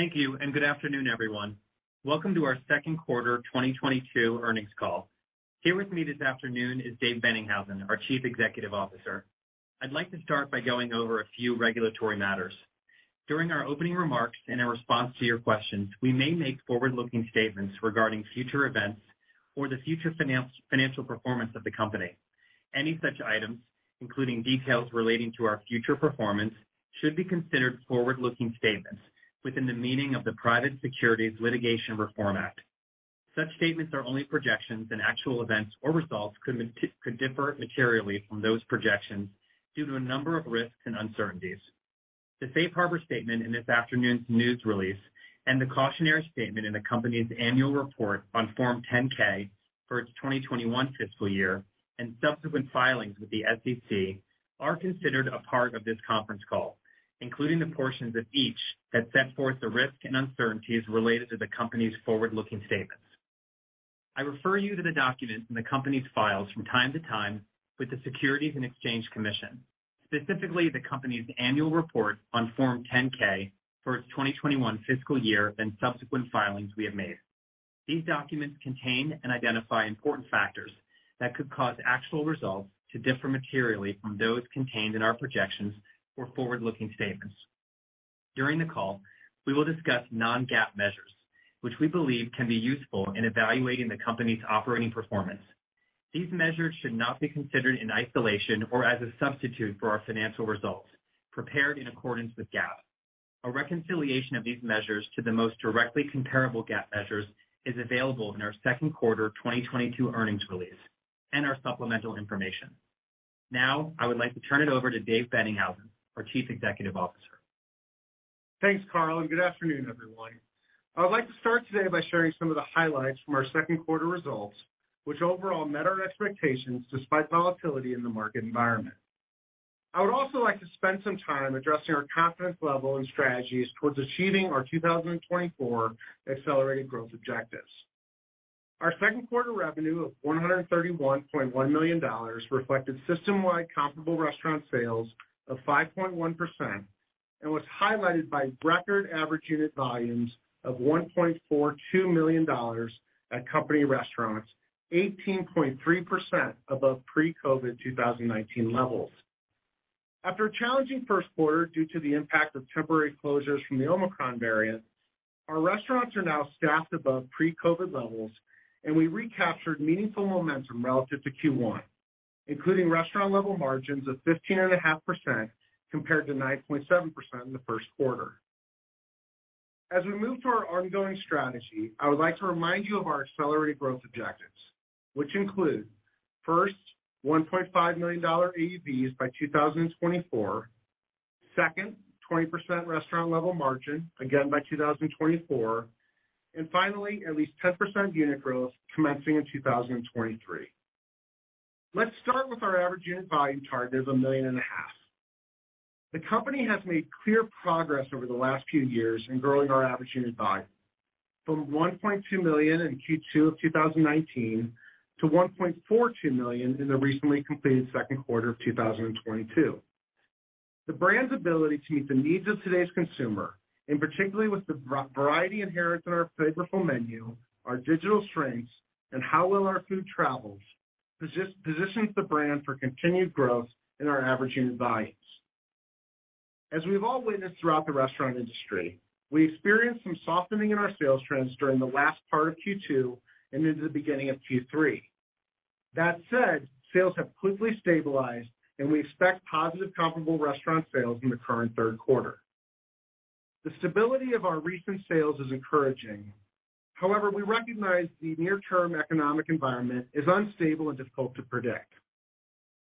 Thank you and good afternoon, everyone. Welcome to our Second Quarter 2022 Earnings Call. Here with me this afternoon is Dave Boennighausen, our Chief Executive Officer. I'd like to start by going over a few regulatory matters. During our opening remarks in our response to your questions, we may make forward-looking statements regarding future events or the future financial performance of the company. Any such items, including details relating to our future performance, should be considered forward-looking statements within the meaning of the Private Securities Litigation Reform Act. Such statements are only projections and actual events or results could differ materially from those projections due to a number of risks and uncertainties. The safe harbor statement in this afternoon's news release and the cautionary statement in the company's annual report on Form 10-K for its 2021 fiscal year and subsequent filings with the SEC are considered a part of this conference call, including the portions of each that set forth the risks and uncertainties related to the company's forward-looking statements. I refer you to the documents in the company's files from time to time with the Securities and Exchange Commission, specifically the company's annual report on Form 10-K for its 2021 fiscal year and subsequent filings we have made. These documents contain and identify important factors that could cause actual results to differ materially from those contained in our projections or forward-looking statements. During the call, we will discuss non-GAAP measures, which we believe can be useful in evaluating the company's operating performance. These measures should not be considered in isolation or as a substitute for our financial results prepared in accordance with GAAP. A reconciliation of these measures to the most directly comparable GAAP measures is available in our Second Quarter 2022 Earnings Release and our supplemental information. Now, I would like to turn it over to Dave Boennighausen, our Chief Executive Officer. Thanks, Carl, and good afternoon, everyone. I would like to start today by sharing some of the highlights from our Second Quarter Results, which overall met our expectations despite volatility in the market environment. I would also like to spend some time addressing our confidence level and strategies towards achieving our 2024 accelerated growth objectives. Our second quarter revenue of $131.1 million reflected system-wide comparable restaurant sales of 5.1% and was highlighted by record average unit volumes of $1.42 million at company restaurants, 18.3% above pre-COVID 2019 levels. After a challenging first quarter due to the impact of temporary closures from the Omicron variant, our restaurants are now staffed above pre-COVID levels, and we recaptured meaningful momentum relative to Q1, including restaurant level margins of 15.5% compared to 9.7% in the first quarter. As we move to our ongoing strategy, I would like to remind you of our accelerated growth objectives, which include first, $1.5 million AUV by 2024. Second, 20% restaurant level margin again by 2024. Finally, at least 10% unit growth commencing in 2023. Let's start with our average unit volume target of $1.5 million. The company has made clear progress over the last few years in growing our average unit volume from $1.2 million in Q2 of 2019 to $1.42 million in the recently completed second quarter of 2022. The brand's ability to meet the needs of today's consumer, and particularly with the variety inherent in our flavorful menu, our digital strengths, and how well our food travels, positions the brand for continued growth in our average unit volumes. As we've all witnessed throughout the restaurant industry, we experienced some softening in our sales trends during the last part of Q2 and into the beginning of Q3. That said, sales have quickly stabilized, and we expect positive comparable restaurant sales in the current third quarter. The stability of our recent sales is encouraging. However, we recognize the near-term economic environment is unstable and difficult to predict.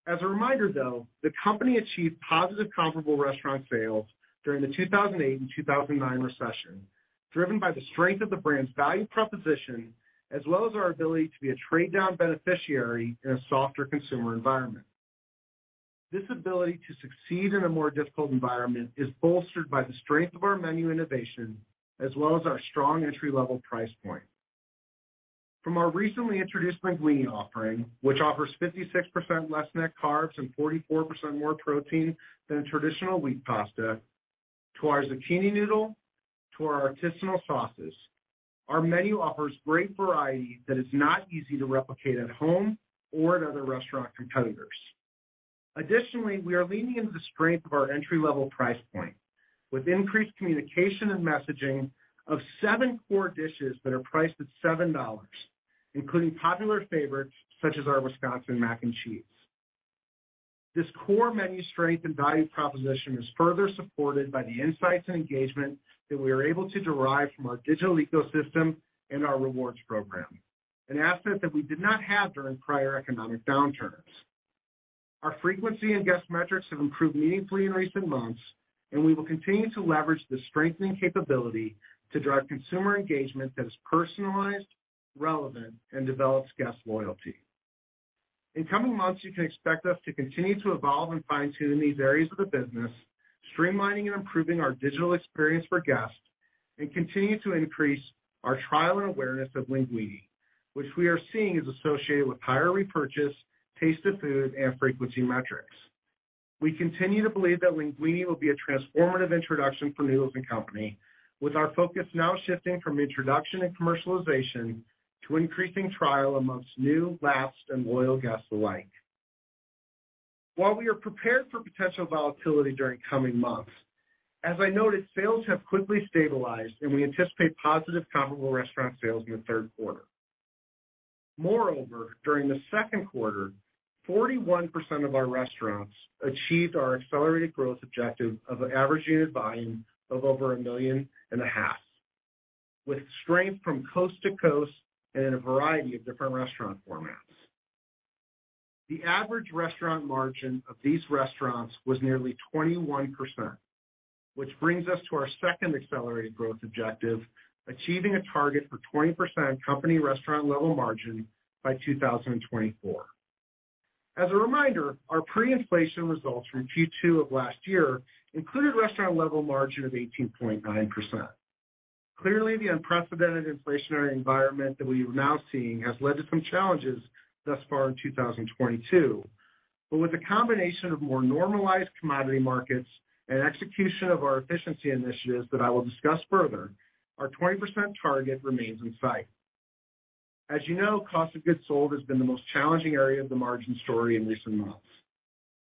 As a reminder, though, the company achieved positive comparable restaurant sales during the 2008 and 2009 recession, driven by the strength of the brand's value proposition as well as our ability to be a trade down beneficiary in a softer consumer environment. This ability to succeed in a more difficult environment is bolstered by the strength of our menu innovation as well as our strong entry-level price point. From our recently introduced LEANguini offering, which offers 56% less net carbs and 44% more protein than a traditional wheat pasta, to our zucchini noodle, to our artisanal sauces, our menu offers great variety that is not easy to replicate at home or at other restaurant competitors. Additionally, we are leaning into the strength of our entry-level price point with increased communication and messaging of seven core dishes that are priced at $7, including popular favorites such as our Wisconsin Mac & Cheese. This core menu strength and value proposition is further supported by the insights and engagement that we are able to derive from our digital ecosystem and our rewards program, an asset that we did not have during prior economic downturns. Our frequency and guest metrics have improved meaningfully in recent months, and we will continue to leverage this strengthening capability to drive consumer engagement that is personalized, relevant, and develops guest loyalty. In coming months, you can expect us to continue to evolve and fine-tune these areas of the business, streamlining and improving our digital experience for guests, and continue to increase our trial and awareness of LEANguini, which we are seeing is associated with higher repurchase, taste of food, and frequency metrics. We continue to believe that LEANguini will be a transformative introduction for Noodles & Company, with our focus now shifting from introduction and commercialization to increasing trial amongst new, lapsed, and loyal guests alike. While we are prepared for potential volatility during coming months, as I noted, sales have quickly stabilized, and we anticipate positive comparable restaurant sales in the third quarter. Moreover, during the second quarter, 41% of our restaurants achieved our accelerated growth objective of an average unit volume of over 1.5 million, with strength from coast to coast and in a variety of different restaurant formats. The average restaurant margin of these restaurants was nearly 21%, which brings us to our second accelerated growth objective, achieving a target for 20% company restaurant level margin by 2024. As a reminder, our pre-inflation results from Q2 of last year included restaurant level margin of 18.9%. Clearly, the unprecedented inflationary environment that we are now seeing has led to some challenges thus far in 2022. With a combination of more normalized commodity markets and execution of our efficiency initiatives that I will discuss further, our 20% target remains in sight. As you know, cost of goods sold has been the most challenging area of the margin story in recent months.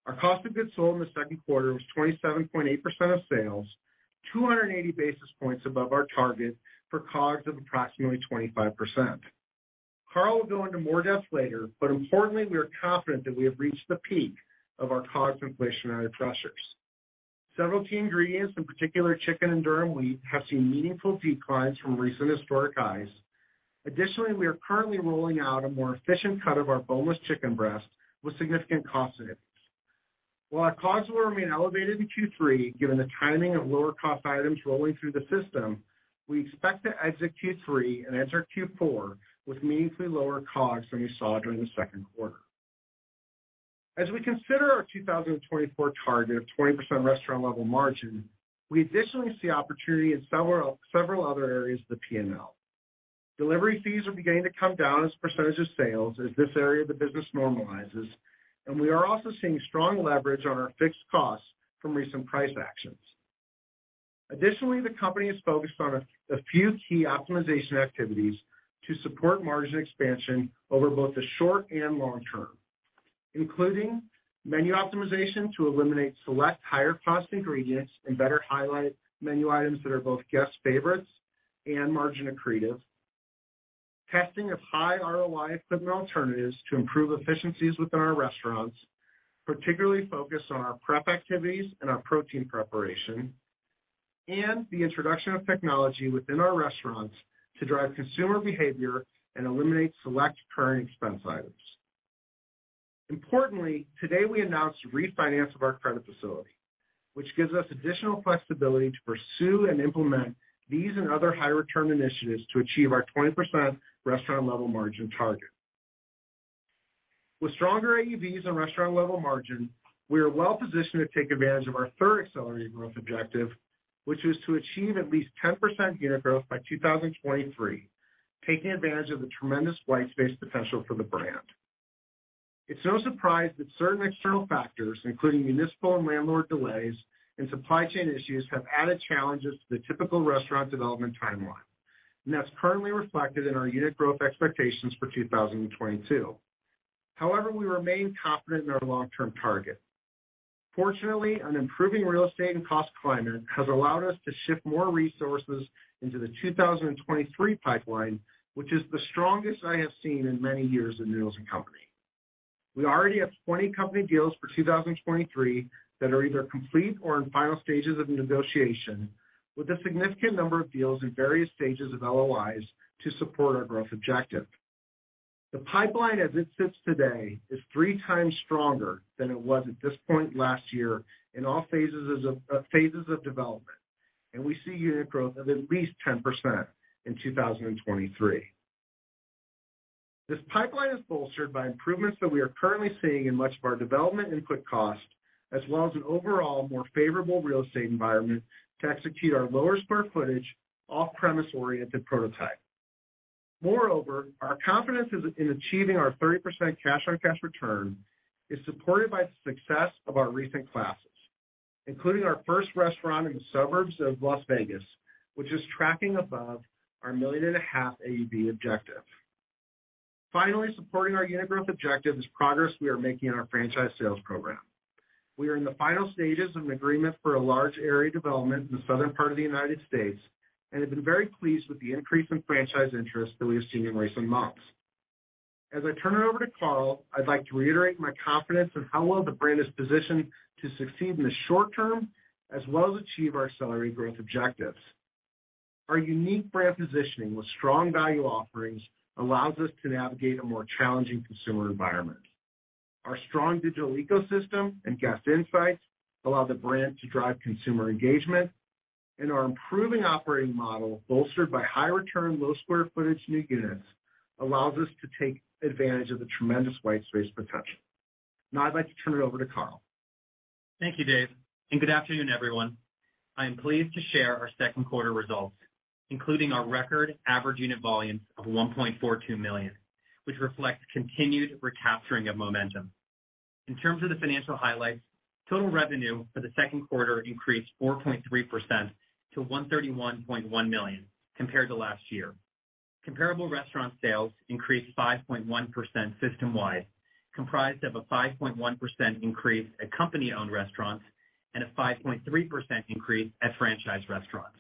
Our cost of goods sold in the second quarter was 27.8% of sales, 280 basis points above our target for COGS of approximately 25%. Carl will go into more depth later, but importantly, we are confident that we have reached the peak of our COGS inflationary pressures. Several key ingredients, in particular chicken and durum wheat, have seen meaningful declines from recent historic highs. Additionally, we are currently rolling out a more efficient cut of our boneless chicken breast with significant cost savings. While our COGS will remain elevated in Q3, given the timing of lower cost items rolling through the system, we expect to exit Q3 and enter Q4 with meaningfully lower COGS than we saw during the second quarter. As we consider our 2024 target of 20% restaurant level margin, we additionally see opportunity in several other areas of the P&L. Delivery fees are beginning to come down as percentage of sales as this area of the business normalizes, and we are also seeing strong leverage on our fixed costs from recent price actions. Additionally, the company is focused on a few key optimization activities to support margin expansion over both the short and long term, including menu optimization to eliminate select higher cost ingredients and better highlight menu items that are both guest favorites and margin accretive, testing of high ROI equipment alternatives to improve efficiencies within our restaurants, particularly focused on our prep activities and our protein preparation, and the introduction of technology within our restaurants to drive consumer behavior and eliminate select current expense items. Importantly, today we announced a refinance of our credit facility, which gives us additional flexibility to pursue and implement these and other high return initiatives to achieve our 20% restaurant level margin target. With stronger AUVs and restaurant level margin, we are well positioned to take advantage of our third accelerated growth objective, which is to achieve at least 10% unit growth by 2023, taking advantage of the tremendous white space potential for the brand. It's no surprise that certain external factors, including municipal and landlord delays and supply chain issues, have added challenges to the typical restaurant development timeline, and that's currently reflected in our unit growth expectations for 2022. However, we remain confident in our long-term target. Fortunately, an improving real estate and cost climate has allowed us to shift more resources into the 2023 pipeline, which is the strongest I have seen in many years in Noodles & Company. We already have 20 company deals for 2023 that are either complete or in final stages of negotiation, with a significant number of deals in various stages of LOIs to support our growth objective. The pipeline as it sits today is three times stronger than it was at this point last year in all phases of phases of development, and we see unit growth of at least 10% in 2023. This pipeline is bolstered by improvements that we are currently seeing in much of our development input cost, as well as an overall more favorable real estate environment to execute our lower square footage, off-premise oriented prototype. Moreover, our confidence in achieving our 30% cash on cash return is supported by the success of our recent leases, including our first restaurant in the suburbs of Las Vegas, which is tracking above our $1.5 million AUV objective. Finally, supporting our unit growth objective is progress we are making in our franchise sales program. We are in the final stages of an agreement for a large area development in the southern part of the United States and have been very pleased with the increase in franchise interest that we have seen in recent months. As I turn it over to Carl, I'd like to reiterate my confidence in how well the brand is positioned to succeed in the short term as well as achieve our accelerated growth objectives. Our unique brand positioning with strong value offerings allows us to navigate a more challenging consumer environment. Our strong digital ecosystem and guest insights allow the brand to drive consumer engagement, and our improving operating model, bolstered by high return, low square footage new units, allows us to take advantage of the tremendous white space potential. Now I'd like to turn it over to Carl. Thank you, Dave, and good afternoon, everyone. I am pleased to share our second quarter results, including our record average unit volumes of 1.42 million, which reflects continued recapturing of momentum. In terms of the financial highlights, total revenue for the second quarter increased 4.3% to $131.1 million compared to last year. Comparable restaurant sales increased 5.1% system-wide, comprised of a 5.1% increase at company-owned restaurants and a 5.3% increase at franchise restaurants.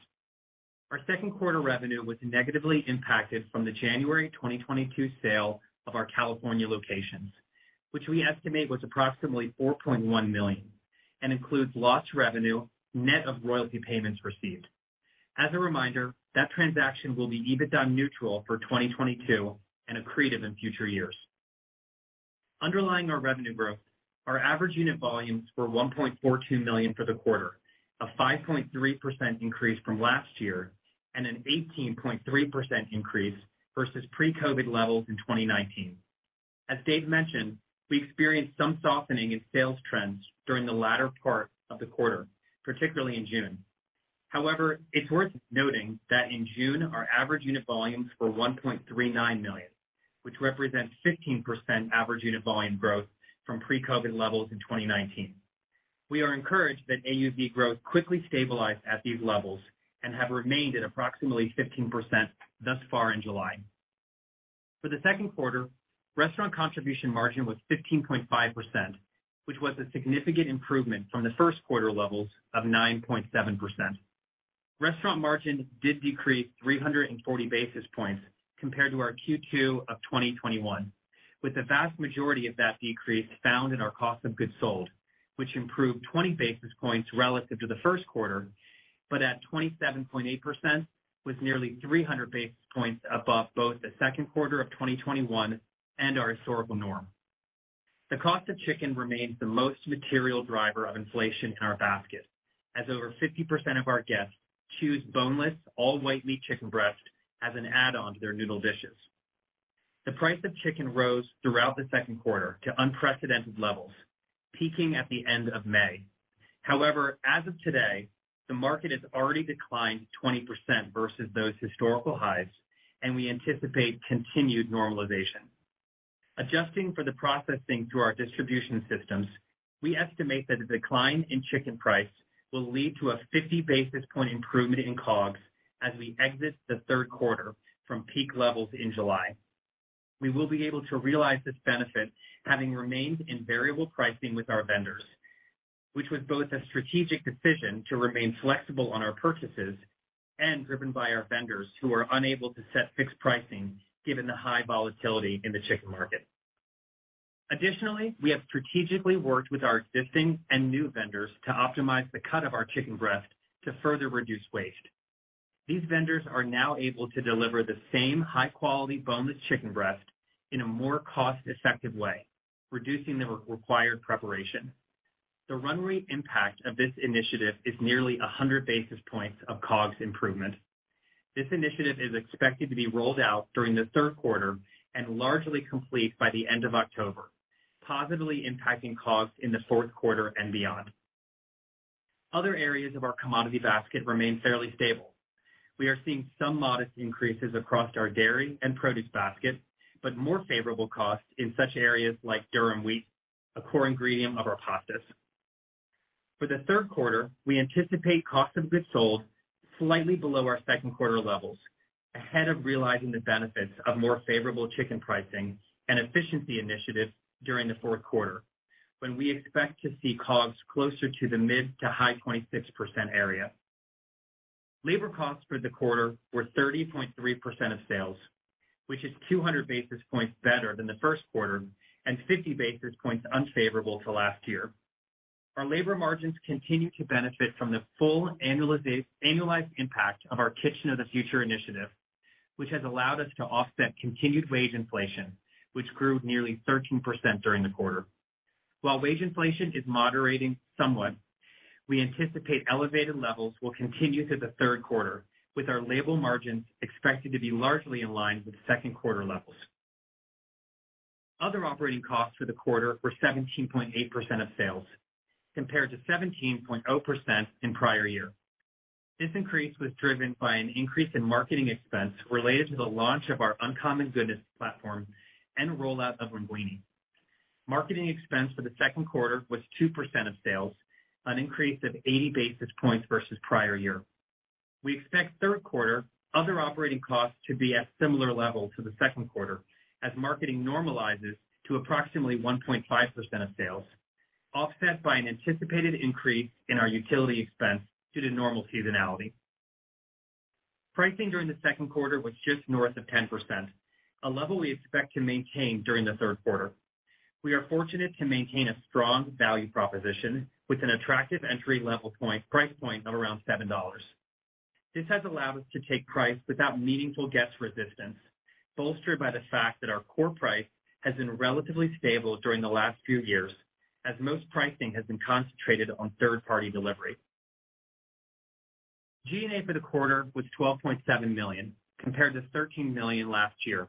Our second quarter revenue was negatively impacted from the January 2022 sale of our California locations, which we estimate was approximately $4.1 million and includes lost revenue net of royalty payments received. As a reminder, that transaction will be EBITDA neutral for 2022 and accretive in future years. Underlying our revenue growth, our average unit volumes were $1.42 million for the quarter, a 5.3% increase from last year and an 18.3% increase versus pre-COVID levels in 2019. As Dave mentioned, we experienced some softening in sales trends during the latter part of the quarter, particularly in June. However, it's worth noting that in June, our average unit volumes were $1.39 million, which represents 15% average unit volume growth from pre-COVID levels in 2019. We are encouraged that AUV growth quickly stabilized at these levels and have remained at approximately 15% thus far in July. For the second quarter, restaurant contribution margin was 15.5%, which was a significant improvement from the first quarter levels of 9.7%. Restaurant margin did decrease 340 basis points compared to our Q2 of 2021, with the vast majority of that decrease found in our cost of goods sold, which improved 20 basis points relative to the first quarter, but at 27.8% was nearly 300 basis points above both the second quarter of 2021 and our historical norm. The cost of chicken remains the most material driver of inflation in our basket, as over 50% of our guests choose boneless all-white meat chicken breast as an add-on to their noodle dishes. The price of chicken rose throughout the second quarter to unprecedented levels, peaking at the end of May. However, as of today, the market has already declined 20% versus those historical highs, and we anticipate continued normalization. Adjusting for the processing through our distribution systems, we estimate that the decline in chicken price will lead to a 50 basis point improvement in COGS as we exit the third quarter from peak levels in July. We will be able to realize this benefit having remained in variable pricing with our vendors, which was both a strategic decision to remain flexible on our purchases and driven by our vendors who are unable to set fixed pricing given the high volatility in the chicken market. Additionally, we have strategically worked with our existing and new vendors to optimize the cut of our chicken breast to further reduce waste. These vendors are now able to deliver the same high-quality boneless chicken breast in a more cost-effective way, reducing the required preparation. The run rate impact of this initiative is nearly 100 basis points of COGS improvement. This initiative is expected to be rolled out during the third quarter and largely complete by the end of October, positively impacting COGS in the fourth quarter and beyond. Other areas of our commodity basket remain fairly stable. We are seeing some modest increases across our dairy and produce basket, but more favorable costs in such areas like durum wheat, a core ingredient of our pastas. For the third quarter, we anticipate cost of goods sold slightly below our second quarter levels, ahead of realizing the benefits of more favorable chicken pricing and efficiency initiatives during the fourth quarter, when we expect to see COGS closer to the mid- to high-26% area. Labor costs for the quarter were 30.3% of sales, which is 200 basis points better than the first quarter and 50 basis points unfavorable to last year. Our labor margins continue to benefit from the full annualized impact of our Kitchen of the Future initiative, which has allowed us to offset continued wage inflation, which grew nearly 13% during the quarter. While wage inflation is moderating somewhat, we anticipate elevated levels will continue through the third quarter, with our labor margins expected to be largely in line with second quarter levels. Other operating costs for the quarter were 17.8% of sales, compared to 17.0% in prior year. This increase was driven by an increase in marketing expense related to the launch of our Uncommon Goodness platform and rollout of LEANguini. Marketing expense for the second quarter was 2% of sales, an increase of 80 basis points versus prior year. We expect third quarter other operating costs to be at similar level to the second quarter as marketing normalizes to approximately 1.5% of sales, offset by an anticipated increase in our utility expense due to normal seasonality. Pricing during the second quarter was just north of 10%, a level we expect to maintain during the third quarter. We are fortunate to maintain a strong value proposition with an attractive entry-level price point of around $7. This has allowed us to take price without meaningful guest resistance, bolstered by the fact that our core price has been relatively stable during the last few years as most pricing has been concentrated on third-party delivery. G&A for the quarter was $12.7 million, compared to $13 million last year.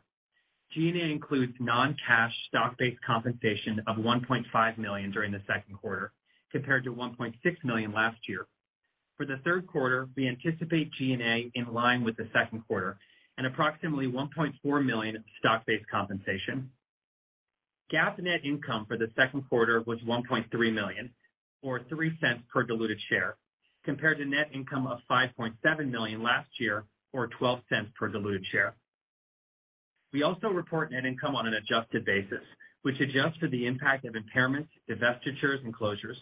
G&A includes non-cash stock-based compensation of $1.5 million during the second quarter, compared to $1.6 million last year. For the third quarter, we anticipate G&A in line with the second quarter and approximately $1.4 million stock-based compensation. GAAP net income for the second quarter was $1.3 million, or $0.03 per diluted share, compared to net income of $5.7 million last year, or $0.12 per diluted share. We also report net income on an adjusted basis, which adjusts for the impact of impairments, divestitures, and closures.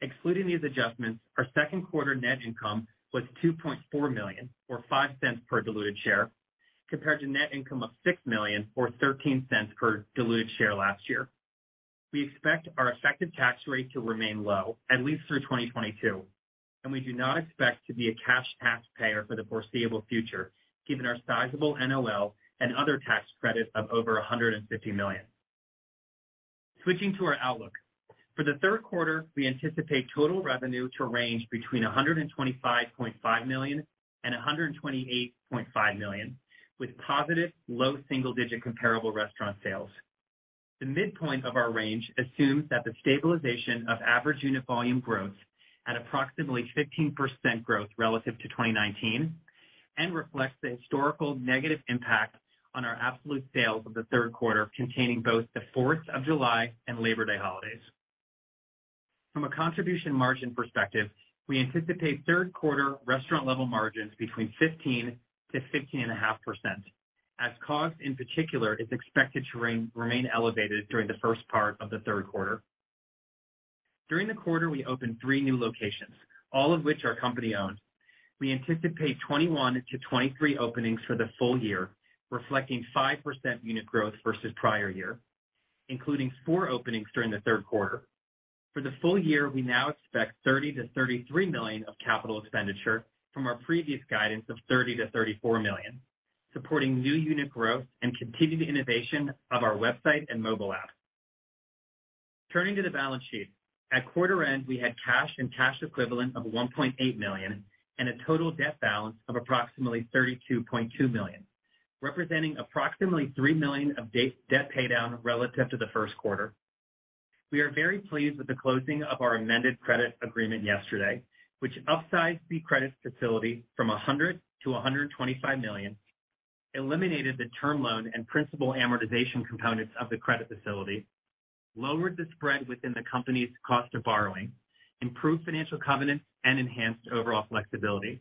Excluding these adjustments, our second quarter net income was $2.4 million, or $0.05 per diluted share, compared to net income of $6 million, or $0.13 per diluted share last year. We expect our effective tax rate to remain low at least through 2022, and we do not expect to be a cash taxpayer for the foreseeable future, given our sizable NOL and other tax credit of over $150 million. Switching to our outlook. For the third quarter, we anticipate total revenue to range between $125.5 million and $128.5 million, with positive low single digit comparable restaurant sales. The midpoint of our range assumes that the stabilization of average unit volume growth at approximately 15% growth relative to 2019 and reflects the historical negative impact on our absolute sales of the third quarter, containing both the 4th of July and Labor Day holidays. From a contribution margin perspective, we anticipate third quarter restaurant level margins between 15%-15.5%, as cost in particular is expected to remain elevated during the first part of the third quarter. During the quarter, we opened 3 new locations, all of which are company-owned. We anticipate 21-23 openings for the full year, reflecting 5% unit growth versus prior year, including 4 openings during the third quarter. For the full year, we now expect $30 million-$33 million of capital expenditure from our previous guidance of $30 million-$34 million, supporting new unit growth and continued innovation of our website and mobile app. Turning to the balance sheet. At quarter end, we had cash and cash equivalents of $1.8 million and a total debt balance of approximately $32.2 million, representing approximately $3 million of debt paydown relative to the first quarter. We are very pleased with the closing of our amended credit agreement yesterday, which upsized the credit facility from $100 million-$125 million, eliminated the term loan and principal amortization components of the credit facility, lowered the spread within the company's cost to borrowing, improved financial covenants, and enhanced overall flexibility.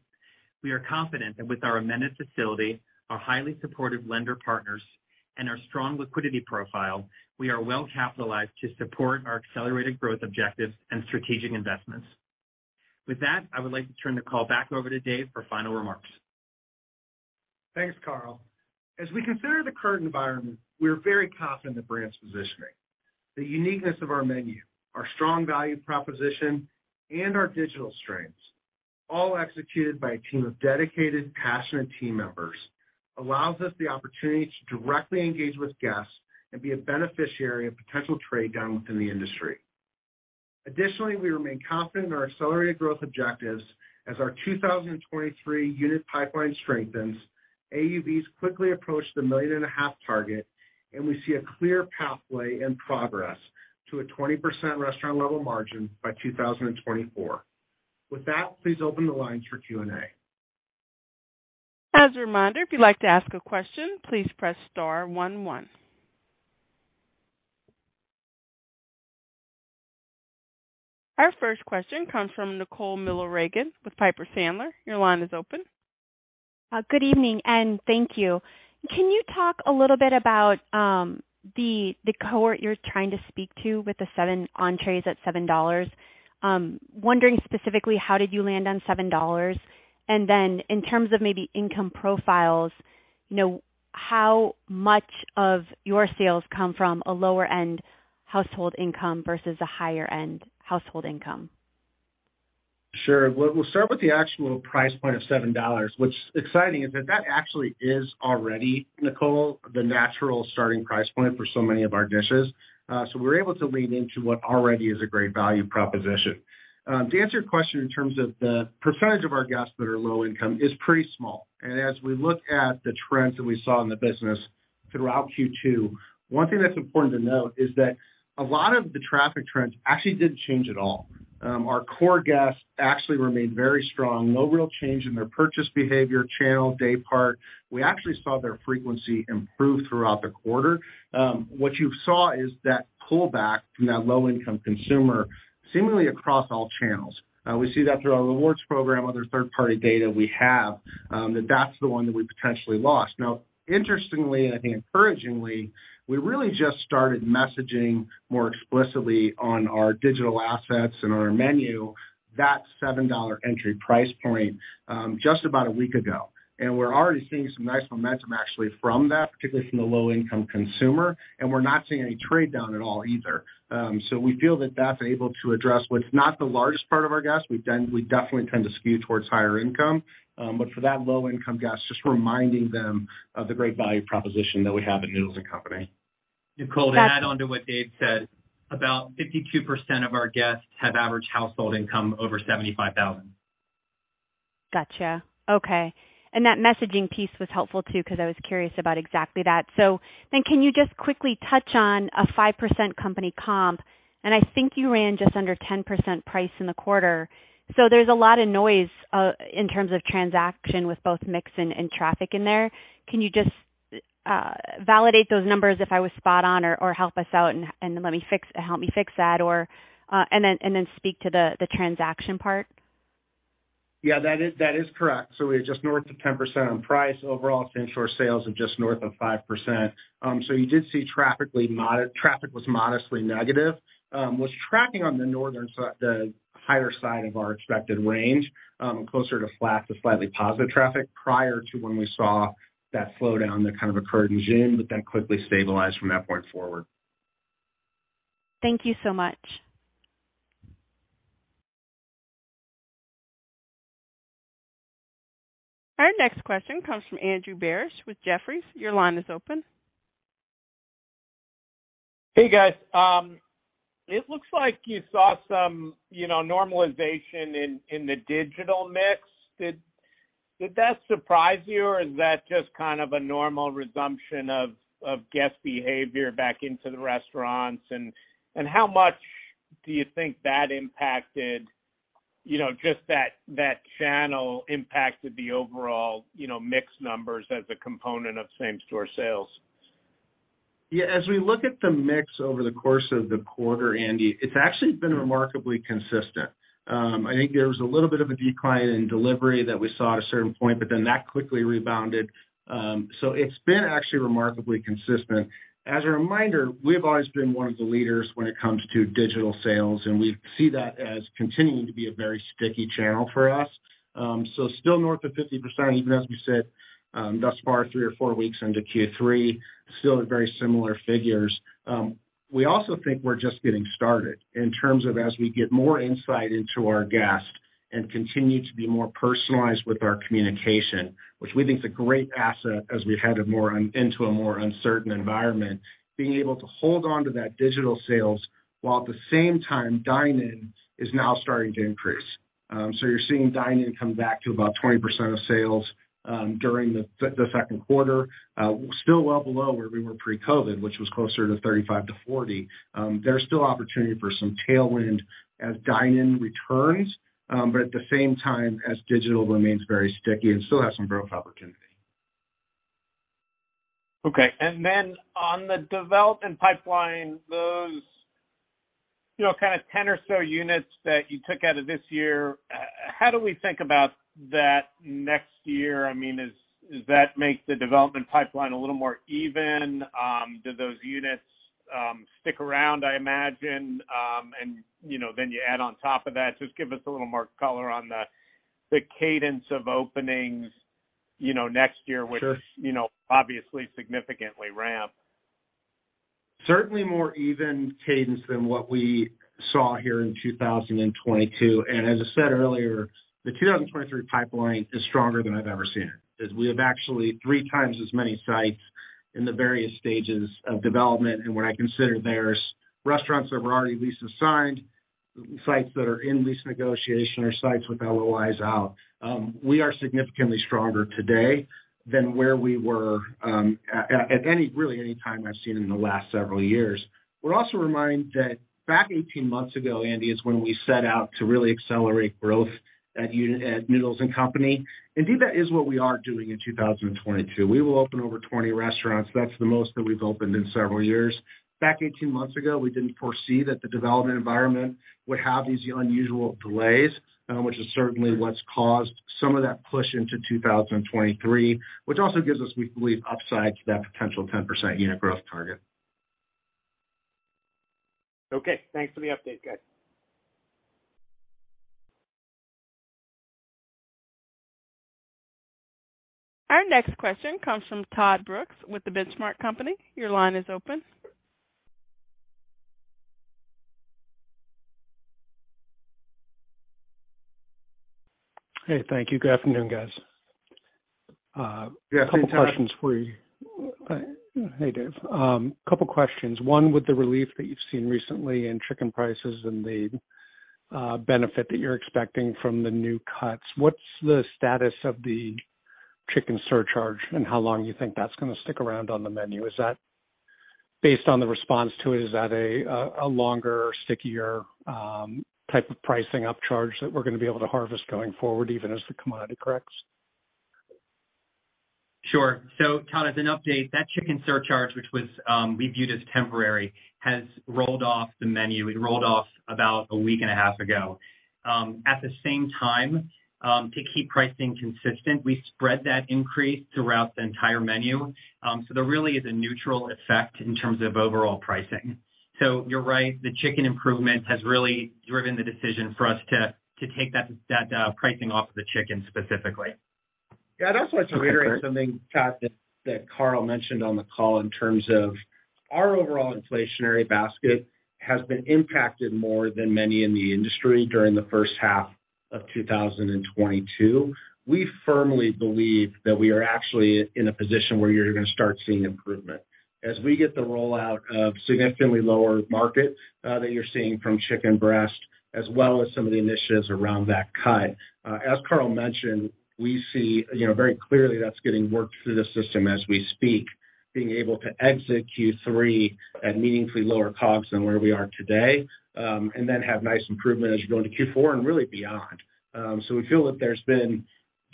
We are confident that with our amended facility, our highly supportive lender partners, and our strong liquidity profile, we are well capitalized to support our accelerated growth objectives and strategic investments. With that, I would like to turn the call back over to Dave for final remarks. Thanks, Carl. As we consider the current environment, we are very confident in the brand's positioning. The uniqueness of our menu, our strong value proposition, and our digital strengths, all executed by a team of dedicated, passionate team members, allows us the opportunity to directly engage with guests and be a beneficiary of potential trade down within the industry. Additionally, we remain confident in our accelerated growth objectives as our 2023 unit pipeline strengthens, AUVs quickly approach the 1.5 million target, and we see a clear pathway and progress to a 20% restaurant level margin by 2024. With that, please open the lines for Q&A. As a reminder, if you'd like to ask a question, please press star one one. Our first question comes from Nicole Miller Regan with Piper Sandler. Your line is open. Good evening, and thank you. Can you talk a little bit about the cohort you're trying to speak to with the 7 entrees at $7? Wondering specifically, how did you land on $7? Then in terms of maybe income profiles, you know, how much of your sales come from a lower end household income versus a higher end household income? Sure. We'll start with the actual price point of $7. What's exciting is that that actually is already, Nicole, the natural starting price point for so many of our dishes. So we're able to lean into what already is a great value proposition. To answer your question in terms of the percentage of our guests that are low income is pretty small. As we look at the trends that we saw in the business throughout Q2, one thing that's important to note is that a lot of the traffic trends actually didn't change at all. Our core guests actually remained very strong. No real change in their purchase behavior, channel, day part. We actually saw their frequency improve throughout the quarter. What you saw is that pullback from that low income consumer seemingly across all channels. We see that through our rewards program, other third-party data we have, that that's the one that we potentially lost. Now, interestingly, and I think encouragingly, we really just started messaging more explicitly on our digital assets and on our menu that $7 entry price point, just about a week ago. We're already seeing some nice momentum actually from that, particularly from the low income consumer, and we're not seeing any trade down at all either. We feel that that's able to address what's not the largest part of our guests. We definitely tend to skew towards higher income. For that low income guest, just reminding them of the great value proposition that we have at Noodles & Company. Nicole, to add on to what Dave said, about 52% of our guests have average household income over $75,000. Gotcha. Okay. That messaging piece was helpful too, because I was curious about exactly that. Can you just quickly touch on a 5% company comp? I think you ran just under 10% price in the quarter. There's a lot of noise in terms of transaction with both mix and traffic in there. Can you just validate those numbers if I was spot on or help us out and help me fix that or and then speak to the transaction part? Yeah, that is correct. We're just north of 10% on price. Overall same-store sales are just north of 5%. You did see traffic was modestly negative, was tracking on the higher side of our expected range, closer to flat to slightly positive traffic prior to when we saw that slowdown that kind of occurred in June, but that quickly stabilized from that point forward. Thank you so much. Our next question comes from Andrew Barish with Jefferies. Your line is open. Hey, guys. It looks like you saw some, you know, normalization in the digital mix. Did that surprise you, or is that just kind of a normal resumption of guest behavior back into the restaurants? How much do you think that impacted, you know, just that channel impacted the overall, you know, mix numbers as a component of same store sales? Yeah. As we look at the mix over the course of the quarter, Andy, it's actually been remarkably consistent. I think there was a little bit of a decline in delivery that we saw at a certain point, but then that quickly rebounded. It's been actually remarkably consistent. As a reminder, we have always been one of the leaders when it comes to digital sales, and we see that as continuing to be a very sticky channel for us. Still north of 50%, even as we sit, thus far 3 or 4 weeks into Q3, still at very similar figures. We also think we're just getting started in terms of as we get more insight into our guests and continue to be more personalized with our communication, which we think is a great asset as we head into a more uncertain environment, being able to hold on to that digital sales while at the same time dine-in is now starting to increase. You're seeing dine-in come back to about 20% of sales during the second quarter, still well below where we were pre-COVID, which was closer to 35%-40%. There's still opportunity for some tailwind as dine-in returns, but at the same time as digital remains very sticky and still has some growth opportunity. Okay. On the development pipeline, those, you know, kind of 10 or so units that you took out of this year, how do we think about that next year? I mean, does that make the development pipeline a little more even? Do those units stick around, I imagine? You know, you add on top of that. Just give us a little more color on the cadence of openings, you know, next year? Sure Which, you know, obviously significantly ramp? Certainly more even cadence than what we saw here in 2022. As I said earlier, the 2023 pipeline is stronger than I've ever seen it, as we have actually 3 times as many sites in the various stages of development. What I consider there is restaurants that were already lease assigned, sites that are in lease negotiation, or sites with LOIs out. We are significantly stronger today than where we were at any, really any time I've seen in the last several years. Would also remind that back 18 months ago, Andy, is when we set out to really accelerate growth at Noodles & Company. Indeed, that is what we are doing in 2022. We will open over 20 restaurants. That's the most that we've opened in several years. Back 18 months ago, we didn't foresee that the development environment would have these unusual delays, which is certainly what's caused some of that push into 2023, which also gives us, we believe, upside to that potential 10% unit growth target. Okay, thanks for the update, guys. Our next question comes from Todd Brooks with The Benchmark Company. Your line is open. Hey, thank you. Good afternoon, guys. Good afternoon, Todd. Couple questions for you. Hey, Dave. A couple questions. One, with the relief that you've seen recently in chicken prices and the benefit that you're expecting from the new cuts, what's the status of the chicken surcharge and how long you think that's gonna stick around on the menu? Is that based on the response to it, is that a longer, stickier type of pricing upcharge that we're gonna be able to harvest going forward, even as the commodity corrects? Sure. Todd, as an update, that chicken surcharge, which was, we viewed as temporary, has rolled off the menu. It rolled off about a week and a half ago. At the same time, to keep pricing consistent, we spread that increase throughout the entire menu. There really is a neutral effect in terms of overall pricing. You're right, the chicken improvement has really driven the decision for us to take that pricing off of the chicken specifically. Yeah. I'd also like to reiterate something, Todd, that Carl mentioned on the call in terms of our overall inflationary basket has been impacted more than many in the industry during the first half of 2022. We firmly believe that we are actually in a position where you're gonna start seeing improvement. As we get the rollout of significantly lower market that you're seeing from chicken breast, as well as some of the initiatives around that cut. As Carl mentioned, we see, you know, very clearly that's getting worked through the system as we speak, being able to exit Q3 at meaningfully lower COGS than where we are today, and then have nice improvement as you go into Q4 and really beyond. We feel that there's been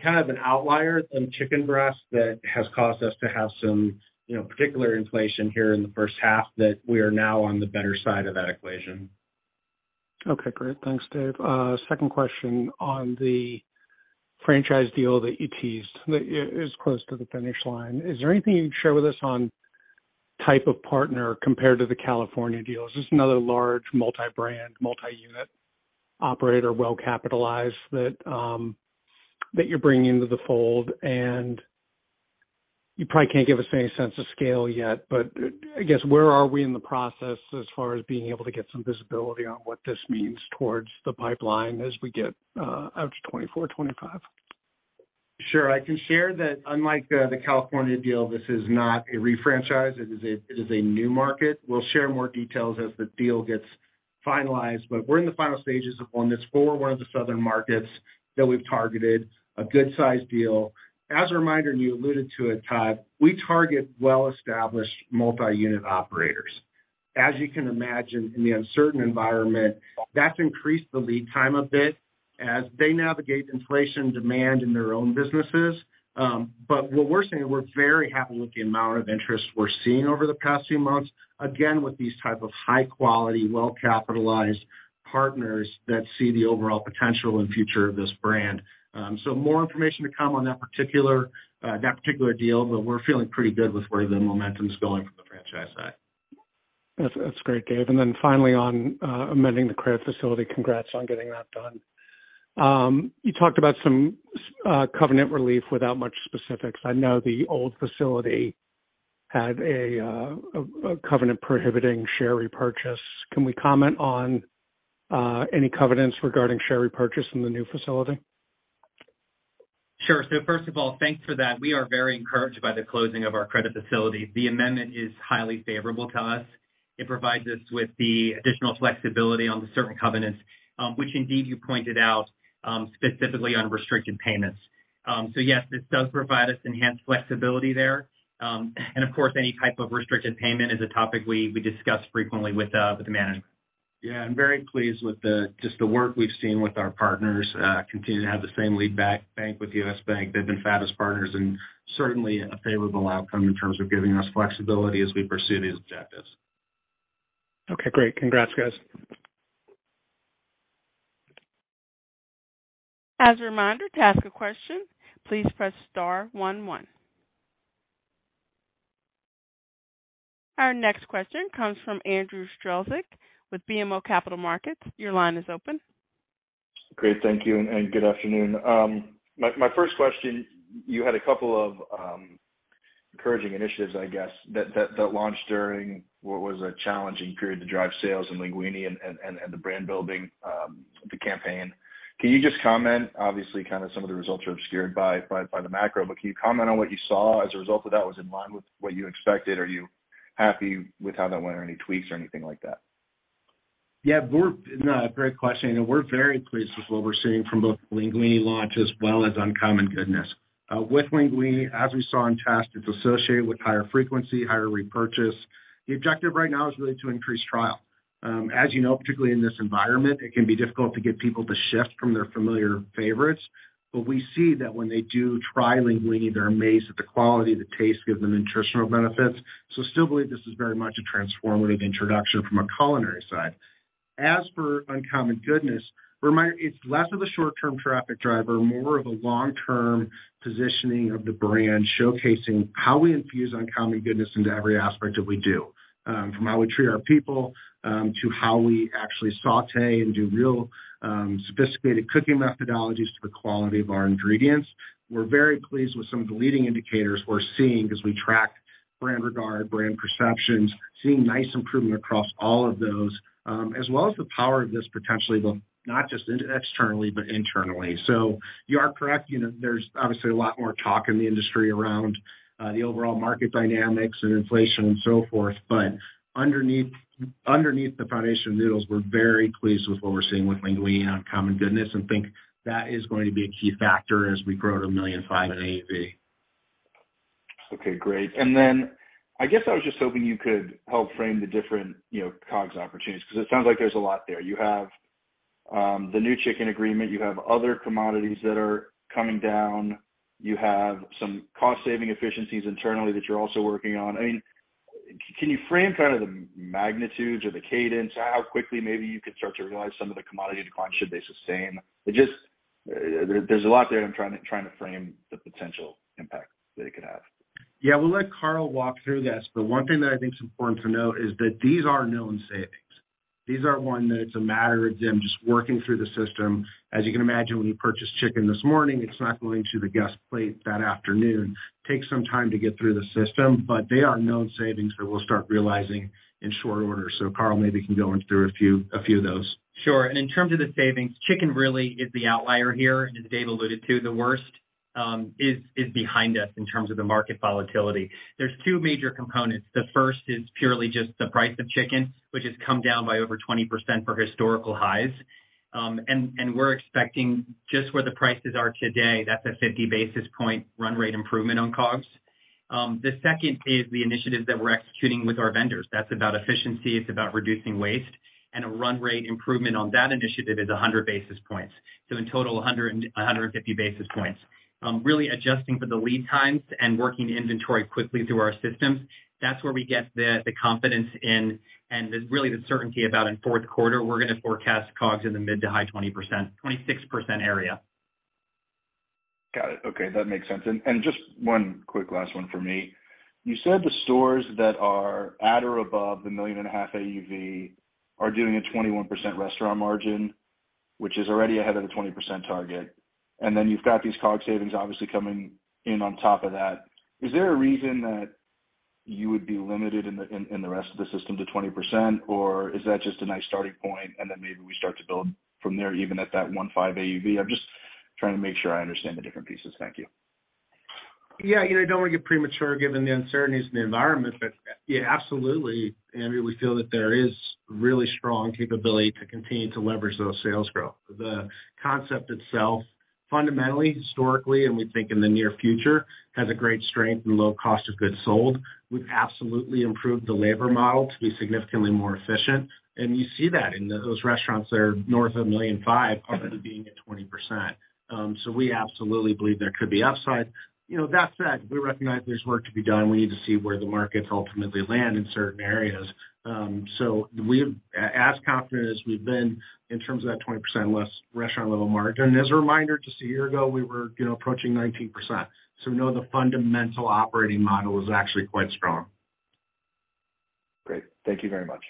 kind of an outlier in chicken breast that has caused us to have some, you know, particular inflation here in the first half that we are now on the better side of that equation. Okay. Great. Thanks, Dave. Second question on the franchise deal that you teased. It's close to the finish line. Is there anything you can share with us on type of partner compared to the California deal? Is this another large multi-brand, multi-unit operator, well capitalized that you're bringing into the fold? You probably can't give us any sense of scale yet, but I guess, where are we in the process as far as being able to get some visibility on what this means towards the pipeline as we get out to 2024, 2025? Sure. I can share that unlike the California deal, this is not a refranchise. It is a new market. We'll share more details as the deal gets finalized, but we're in the final stages of one that's for one of the southern markets that we've targeted, a good-sized deal. As a reminder, and you alluded to it, Todd, we target well-established multi-unit operators. As you can imagine, in the uncertain environment, that's increased the lead time a bit as they navigate inflation and demand in their own businesses. What we're saying, we're very happy with the amount of interest we're seeing over the past few months, again, with these type of high quality, well-capitalized partners that see the overall potential and future of this brand. More information to come on that particular deal, but we're feeling pretty good with where the momentum's going from the franchise side. That's great, Dave. Then finally on amending the credit facility, congrats on getting that done. You talked about some covenant relief without much specifics. I know the old facility had a covenant prohibiting share repurchase. Can we comment on any covenants regarding share repurchase in the new facility? First of all, thanks for that. We are very encouraged by the closing of our credit facility. The amendment is highly favorable to us. It provides us with the additional flexibility on certain covenants, which indeed you pointed out, specifically on restricted payments. Yes, this does provide us enhanced flexibility there. Of course, any type of restricted payment is a topic we discuss frequently with the management. Yeah, I'm very pleased with just the work we've seen with our partners. Continue to have the same lead bank with U.S. Bank. They've been fabulous partners and certainly a favorable outcome in terms of giving us flexibility as we pursue these objectives. Okay, great. Congrats, guys. As a reminder, to ask a question, please press star one one. Our next question comes from Andrew Strelzik with BMO Capital Markets. Your line is open. Great, thank you, and good afternoon. My first question, you had a couple of encouraging initiatives, I guess, that launched during what was a challenging period to drive sales in LEANguini and the brand building, the campaign. Can you just comment, obviously kinda some of the results are obscured by the macro, but can you comment on what you saw as a result of that was in line with what you expected? Are you happy with how that went or any tweaks or anything like that? Yeah. Great question. We're very pleased with what we're seeing from both the LEANguini launch as well as Uncommon Goodness. With LEANguini, as we saw in test, it's associated with higher frequency, higher repurchase. The objective right now is really to increase trial. As you know, particularly in this environment, it can be difficult to get people to shift from their familiar favorites. But we see that when they do try LEANguini, they're amazed at the quality, the taste given the nutritional benefits. Still believe this is very much a transformative introduction from a culinary side. As for Uncommon Goodness, it's less of a short-term traffic driver, more of a long-term positioning of the brand, showcasing how we infuse Uncommon Goodness into every aspect that we do, from how we treat our people, to how we actually sauté and do real, sophisticated cooking methodologies to the quality of our ingredients. We're very pleased with some of the leading indicators we're seeing as we track brand regard, brand perceptions, seeing nice improvement across all of those, as well as the power of this potentially, but not just externally but internally. You are correct. You know, there's obviously a lot more talk in the industry around the overall market dynamics and inflation and so forth. Underneath the foundation of Noodles, we're very pleased with what we're seeing with LEANguini Uncommon Goodness and think that is going to be a key factor as we grow to 1.5 million in AUV. Okay, great. I guess I was just hoping you could help frame the different, you know, COGS opportunities, 'cause it sounds like there's a lot there. You have the new chicken agreement. You have other commodities that are coming down. You have some cost-saving efficiencies internally that you're also working on. I mean, can you frame kind of the magnitudes or the cadence, how quickly maybe you could start to realize some of the commodity declines should they sustain? It just, there's a lot there, and I'm trying to frame the potential impact that it could have. Yeah. We'll let Carl walk through this, but one thing that I think is important to note is that these are known savings. These are ones that it's a matter of them just working through the system. As you can imagine, when you purchase chicken this morning, it's not going to the guest plate that afternoon. Takes some time to get through the system, but they are known savings that we'll start realizing in short order. Carl maybe can go in through a few of those. Sure. In terms of the savings, chicken really is the outlier here. As Dave alluded to, the worst is behind us in terms of the market volatility. There's two major components. The first is purely just the price of chicken, which has come down by over 20% from historical highs. We're expecting just where the prices are today, that's a 50 basis point run rate improvement on COGS. The second is the initiatives that we're executing with our vendors. That's about efficiency, it's about reducing waste, and a run rate improvement on that initiative is 100 basis points. In total, 150 basis points. Really adjusting for the lead times and working inventory quickly through our systems, that's where we get the confidence in, and really the certainty about in fourth quarter, we're gonna forecast COGS in the mid- to high-20%, 26% area. Got it. Okay, that makes sense. Just one quick last one for me. You said the stores that are at or above the 1.5 million AUV are doing a 21% restaurant margin, which is already ahead of the 20% target. You've got these COGS savings obviously coming in on top of that. Is there a reason that you would be limited in the rest of the system to 20%, or is that just a nice starting point and then maybe we start to build from there, even at that 1.5 AUV? I'm just trying to make sure I understand the different pieces. Thank you. Yeah, you know, don't wanna get premature given the uncertainties in the environment, but yeah, absolutely. We feel that there is really strong capability to continue to leverage those sales growth. The concept itself, fundamentally, historically, and we think in the near future, has a great strength and low cost of goods sold. We've absolutely improved the labor model to be significantly more efficient, and you see that in those restaurants that are north of $1.5 million up into being at 20%. We absolutely believe there could be upside. You know, that said, we recognize there's work to be done. We need to see where the markets ultimately land in certain areas. We're as confident as we've been in terms of that 20% restaurant-level margin. As a reminder, just a year ago we were, you know, approaching 19%. We know the fundamental operating model is actually quite strong. Great. Thank you very much.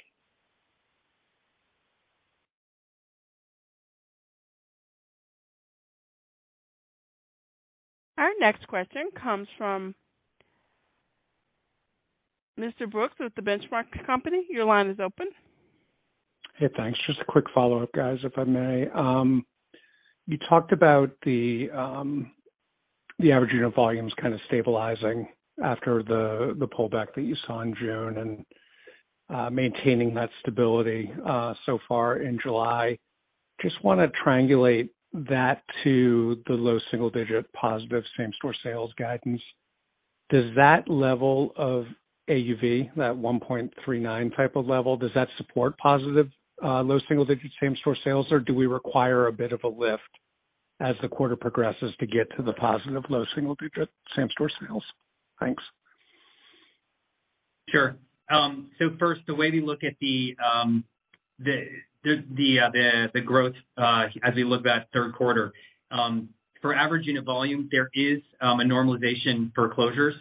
Our next question comes from Mr. Brooks with The Benchmark Company. Your line is open. Hey, thanks. Just a quick follow-up, guys, if I may. You talked about the average unit volumes kind of stabilizing after the pullback that you saw in June and maintaining that stability so far in July. Just wanna triangulate that to the low single digit positive same store sales guidance. Does that level of AUV, that 1.39 type of level, does that support positive low single digit same store sales, or do we require a bit of a lift as the quarter progresses to get to the positive low single digit same store sales? Thanks. Sure. First, the way we look at the growth as we look at third quarter for average unit volume, there is a normalization for closures.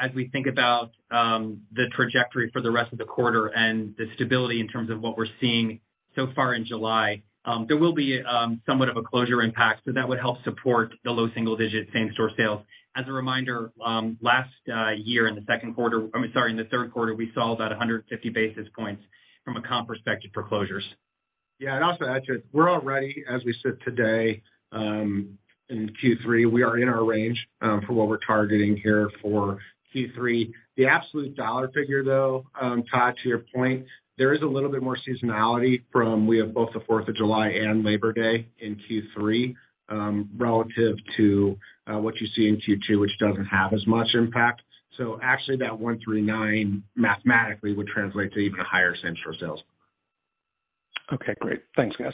As we think about the trajectory for the rest of the quarter and the stability in terms of what we're seeing so far in July, there will be somewhat of a closure impact, so that would help support the low single digit same store sales. As a reminder, I mean, sorry, last year in the third quarter, we saw about 150 basis points from a comp perspective for closures. Yeah. I'd also add to it, we're already, as we sit today, in Q3, we are in our range for what we're targeting here for Q3. The absolute dollar figure though, Todd, to your point, there is a little bit more seasonality from we have both the 4th of July and Labor Day in Q3, relative to what you see in Q2, which doesn't have as much impact. Actually that 139 mathematically would translate to even higher same store sales. Okay, great. Thanks, guys.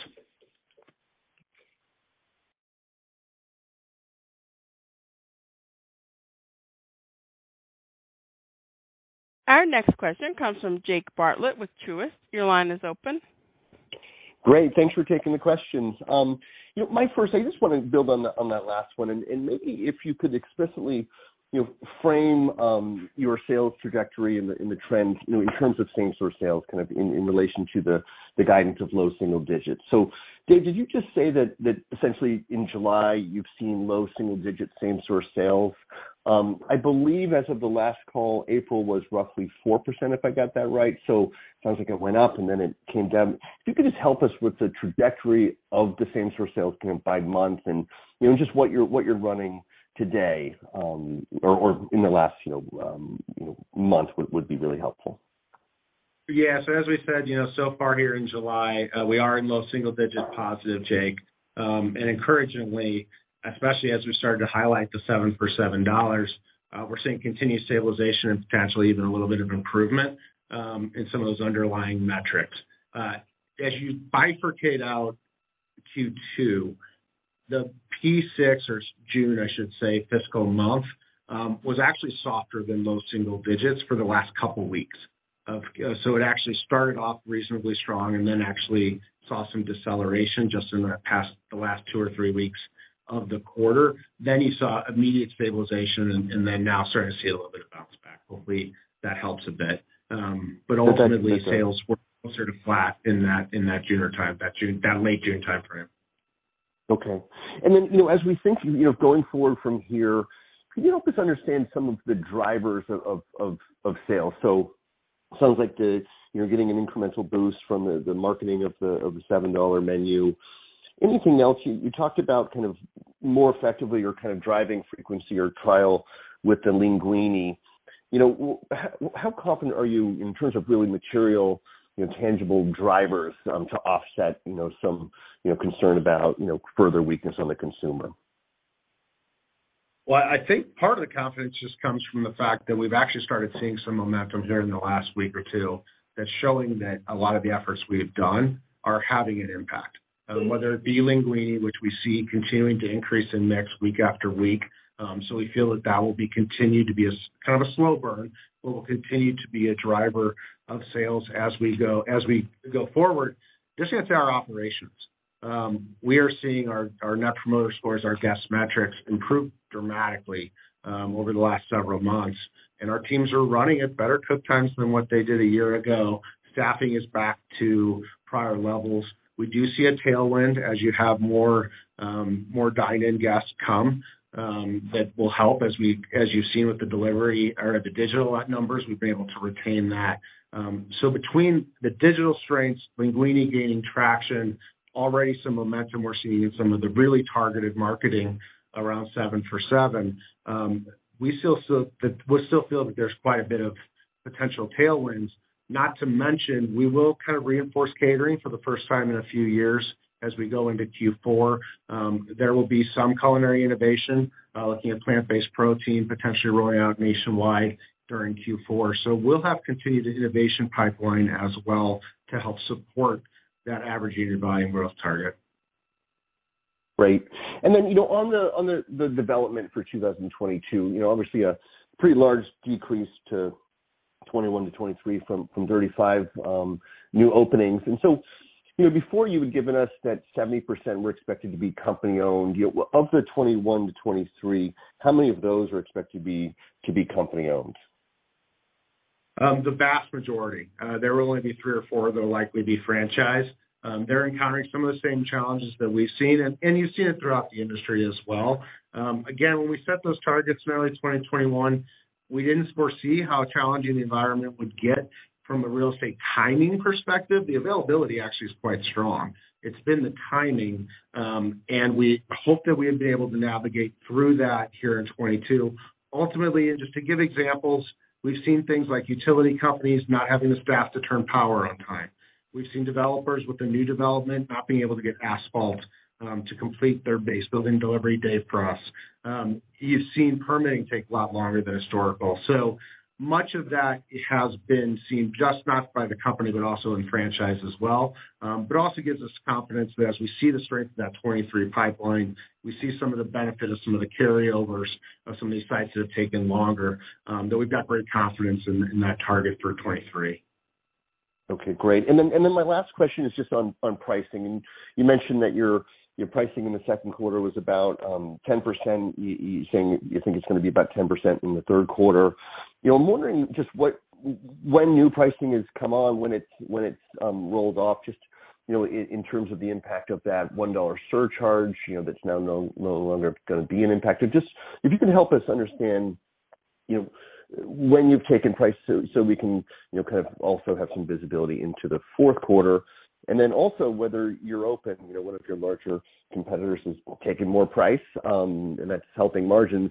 Our next question comes from Jake Bartlett with Truist. Your line is open. Great. Thanks for taking the questions. You know, my first thing, I just wanna build on that, on that last one, and maybe if you could explicitly, you know, frame your sales trajectory and the trends, you know, in terms of same store sales, kind of in relation to the guidance of low single digits. Dave, did you just say that essentially in July you've seen low single digit same store sales? I believe as of the last call, April was roughly 4%, if I got that right. Sounds like it went up and then it came down. If you could just help us with the trajectory of the same store sales, you know, by month and, you know, just what you're running today, or in the last, you know, month would be really helpful? Yeah. As we said, you know, so far here in July, we are in low single-digit positive, Jake. And encouragingly, especially as we started to highlight the 7 for $7, we're seeing continued stabilization and potentially even a little bit of improvement in some of those underlying metrics. As you bifurcate out Q2, the P6 or June, I should say, fiscal month, was actually softer than low single digits for the last couple weeks of the quarter. It actually started off reasonably strong and then actually saw some deceleration just in the past, the last two or three weeks of the quarter. Then you saw immediate stabilization and then now starting to see a little bit of bounce. Hopefully that helps a bit. Ultimately sales were sort of flat in that late June time frame. Okay. Then, you know, as we think, you know, going forward from here, can you help us understand some of the drivers of sales? Sounds like you're getting an incremental boost from the marketing of the 7 for $7. Anything else? You talked about kind of more effectively you're kind of driving frequency or trial with the LEANguini. You know, how confident are you in terms of really material, you know, tangible drivers to offset, you know, some concern about further weakness on the consumer? Well, I think part of the confidence just comes from the fact that we've actually started seeing some momentum here in the last week or two that's showing that a lot of the efforts we've done are having an impact. Whether it be LEANguini, which we see continuing to increase week after week. We feel that that will continue to be a kind of slow burn, but will continue to be a driver of sales as we go forward, just against our operations. We are seeing our net promoter scores, our guest metrics improve dramatically over the last several months. Our teams are running at better cook times than what they did a year ago. Staffing is back to prior levels. We do see a tailwind as you have more dine-in guests come that will help as you've seen with the delivery or the digital numbers, we've been able to retain that. Between the digital strengths, LEANguini gaining traction, already some momentum we're seeing in some of the really targeted marketing around 7 for $7. We still feel that there's quite a bit of potential tailwinds. Not to mention, we will kind of reinforce catering for the first time in a few years as we go into Q4. There will be some culinary innovation looking at plant-based protein potentially rolling out nationwide during Q4. We'll have continued innovation pipeline as well to help support that average unit volume growth target. Great. You know, on the development for 2022, you know, obviously a pretty large decrease to 21-23 from 35 new openings. You know, before you had given us that 70% were expected to be company owned. You know, of the 21-23, how many of those are expected to be company owned? The vast majority. There will only be three or four that'll likely be franchise. They're encountering some of the same challenges that we've seen and you've seen it throughout the industry as well. Again, when we set those targets in early 2021, we didn't foresee how challenging the environment would get from a real estate timing perspective. The availability actually is quite strong. It's been the timing, and we hope that we'll be able to navigate through that here in 2022. Ultimately, just to give examples, we've seen things like utility companies not having the staff to turn power on time. We've seen developers with a new development not being able to get asphalt to complete their base building delivery date for us. You've seen permitting take a lot longer than historical. Much of that has been seen just not by the company, but also in franchise as well. Also gives us confidence that as we see the strength of that 2023 pipeline, we see some of the benefit of some of the carryovers of some of these sites that have taken longer, that we've got great confidence in that target for 2023. Okay, great. My last question is just on pricing. You mentioned that your pricing in the second quarter was about 10%. You saying you think it's gonna be about 10% in the third quarter. You know, I'm wondering just what, when new pricing has come on, when it's rolled off, just, you know, in terms of the impact of that $1 surcharge, you know, that's now no longer gonna be an impact. Just if you can help us understand, you know, when you've taken price so we can, you know, kind of also have some visibility into the fourth quarter. Also whether you're open, you know, one of your larger competitors has taken more price, and that's helping margins.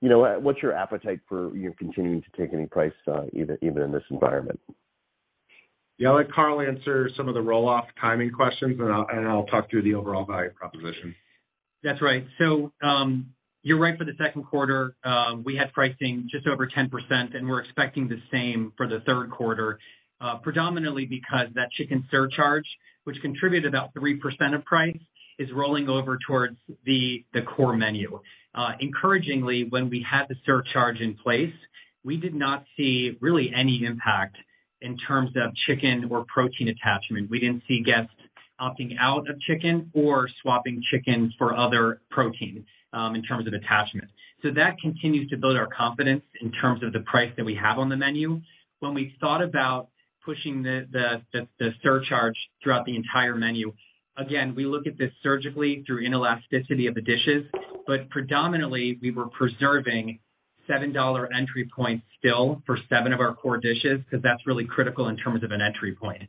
You know, what's your appetite for, you know, continuing to take any price, even in this environment? Yeah, I'll let Carl answer some of the roll-off timing questions, and I'll talk through the overall value proposition. That's right. You're right for the second quarter, we had pricing just over 10%, and we're expecting the same for the third quarter, predominantly because that chicken surcharge, which contributed about 3% of price, is rolling over towards the core menu. Encouragingly, when we had the surcharge in place, we did not see really any impact in terms of chicken or protein attachment. We didn't see guests opting out of chicken or swapping chicken for other protein, in terms of attachment. That continues to build our confidence in terms of the price that we have on the menu. When we thought about pushing the surcharge throughout the entire menu, again, we look at this surgically through inelasticity of the dishes, but predominantly we were preserving $7 entry point still for 7 of our core dishes because that's really critical in terms of an entry point.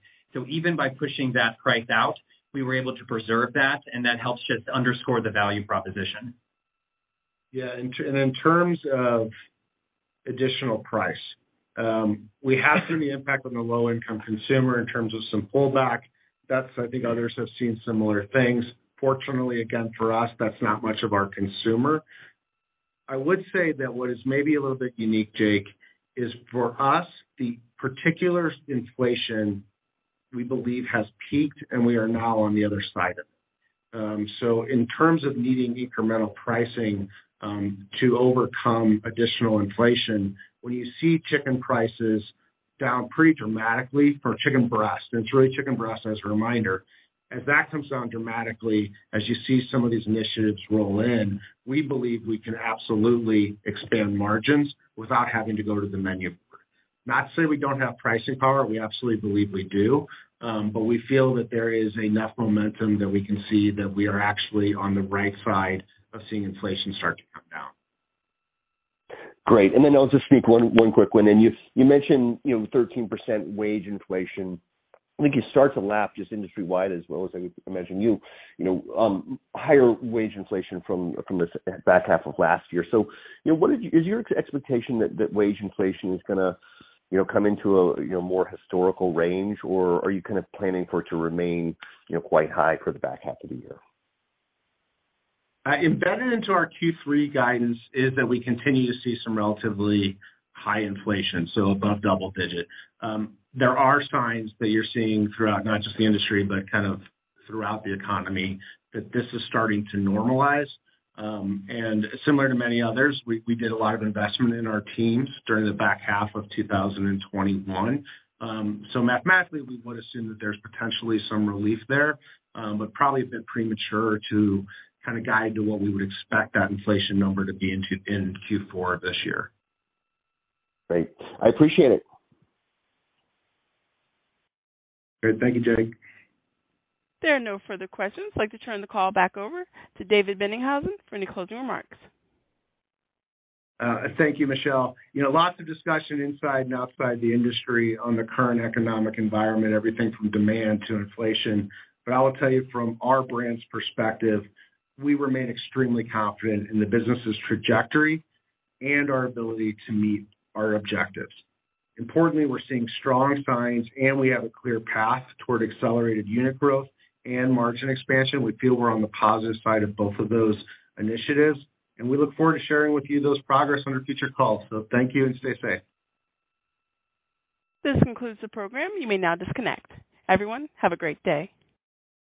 Even by pushing that price out, we were able to preserve that, and that helps just underscore the value proposition. Yeah. In terms of additional price, we have seen the impact on the low-income consumer in terms of some pullback. That's, I think, others have seen similar things. Fortunately, again, for us, that's not much of our consumer. I would say that what is maybe a little bit unique, Jake, is for us, the particular inflation we believe has peaked, and we are now on the other side of it. So in terms of needing incremental pricing to overcome additional inflation, when you see chicken prices down pretty dramatically for chicken breast, and it's really chicken breast as a reminder, as that comes down dramatically, as you see some of these initiatives roll in, we believe we can absolutely expand margins without having to go to the menu. Not to say we don't have pricing power, we absolutely believe we do. We feel that there is enough momentum that we can see that we are actually on the right side of seeing inflation start to come down. Great. Then I'll just sneak one quick one in. You mentioned, you know, 13% wage inflation. I think you start to lap just industry-wide as well as I would imagine you know, higher wage inflation from the second half of last year. You know, is your expectation that wage inflation is gonna, you know, come into a more historical range? Or are you kind of planning for it to remain, you know, quite high for the back half of the year? Embedded into our Q3 guidance is that we continue to see some relatively high inflation, so above double-digit. There are signs that you're seeing throughout not just the industry, but kind of throughout the economy, that this is starting to normalize. Similar to many others, we did a lot of investment in our teams during the back half of 2021. So mathematically, we would assume that there's potentially some relief there, but it would probably be premature to kind of guide to what we would expect that inflation number to be in Q4 of this year. Great. I appreciate it. Great. Thank you, Jake. There are no further questions. I'd like to turn the call back over to Dave Boennighausen for any closing remarks. Thank you, Michelle. You know, lots of discussion inside and outside the industry on the current economic environment, everything from demand to inflation. I will tell you from our brand's perspective, we remain extremely confident in the business's trajectory and our ability to meet our objectives. Importantly, we're seeing strong signs and we have a clear path toward accelerated unit growth and margin expansion. We feel we're on the positive side of both of those initiatives, and we look forward to sharing with you those progress on our future calls. Thank you and stay safe. This concludes the program. You may now disconnect. Everyone, have a great day.